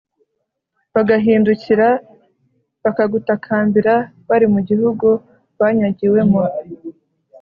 bagahindukira bakagutakambira bari mu gihugu banyagiwemo,